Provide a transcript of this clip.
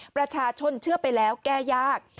ประชาชนเชื่อไปแล้วแก้ยาก